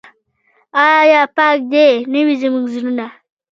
آیا پاک دې نه وي زموږ زړونه؟